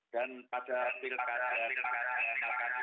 jadi pak teguh ini mengawal ketik untuk penyelenggara pemilu